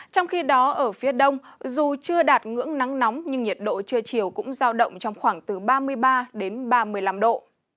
trong khi đó ở phía đông dù chưa đạt ngưỡng nắng nóng nhưng nhiệt độ trưa chiều cũng giao động trong khoảng từ ba mươi ba đến ba mươi năm độ